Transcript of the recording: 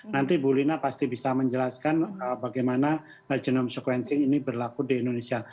nanti bu lina pasti bisa menjelaskan bagaimana genome sequencing ini berlaku di indonesia